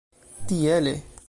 Tiele.